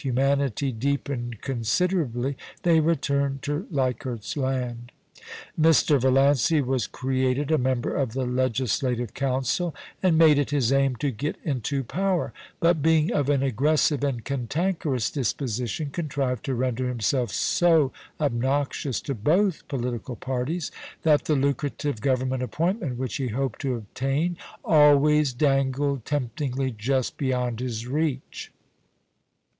49 humanity deepened considerably, they returned to Leich ardt's Land. Mr. Valiancy was created a member of the Legislative Council, and made it his aim to get into power ; but, being of an aggressive and cantankerous disposition, contrived to render himself so obnoxious to both political parties that the lucrative Government appointment which he hoped to obtain always dangled temptingly just beyond his reach.